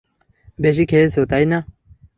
বেশি খেয়েছে, তাই না?